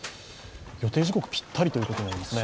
予定時刻ぴったりということなんですね。